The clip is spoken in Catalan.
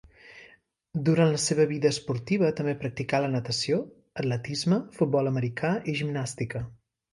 Durant la seva vida esportiva també practicà la natació, atletisme, futbol americà i gimnàstica.